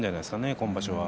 今場所は。